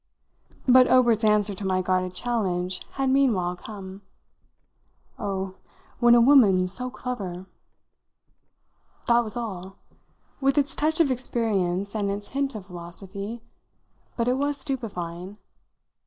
But Obert's answer to my guarded challenge had meanwhile come. "Oh, when a woman's so clever !" That was all, with its touch of experience and its hint of philosophy; but it was stupefying.